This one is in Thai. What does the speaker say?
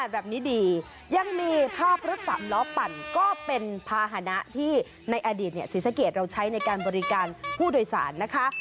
แบบนี้ดียังมีภาพรถสามล้อปั่นก็เป็นภาษณะที่ในอดีตศรีสะเกดเราใช้ในการบริการผู้โดยสารนะคะ